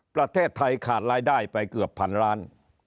ประเทศไทยขาดรายได้ไปเกือบพันล้าน